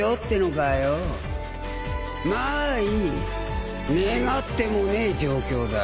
まあいい願ってもねえ状況だ。